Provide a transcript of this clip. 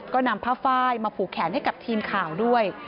ก็นำผ้าไฟล์มาผูกแขนให้กับทีมข่าวด้วย